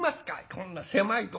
こんな狭いところで。